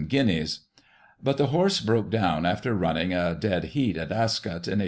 17 guineas; but the horse broke down after running a dead heat at Ascot in 1831.